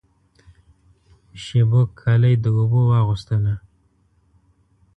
شېبو کالی د اوبو واغوستله